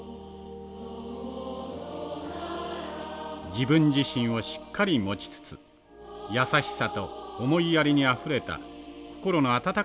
自分自身をしっかり持ちつつ優しさと思いやりにあふれた心の温かい女性に育ってほしい。